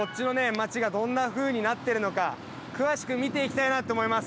町がどんなふうになってるのか詳しく見ていきたいなと思います。